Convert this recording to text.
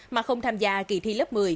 mà không tham gia kỳ thi lớp một mươi